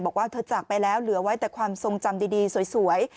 บอกว่าเธอจากไปแล้วเหลือไว้แต่ความทรงจำดีสวย